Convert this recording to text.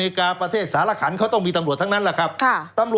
อืม